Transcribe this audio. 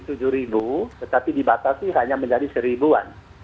tetapi dibatasi hanya menjadi seribuan